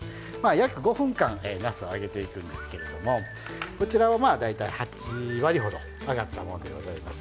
約５分間なすを揚げていくんですけれどもこちらはまあ大体８割ほど揚がったもんでございます。